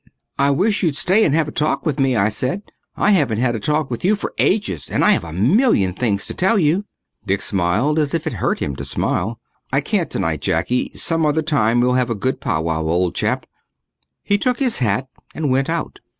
"I wish you'd stay and have a talk with me," I said. "I haven't had a talk with you for ages and I have a million things to tell you." Dick smiled as if it hurt him to smile. "I can't tonight, Jacky. Some other time we'll have a good powwow, old chap." He took his hat and went out.